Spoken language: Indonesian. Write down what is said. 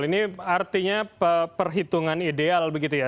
ini artinya perhitungan ideal begitu ya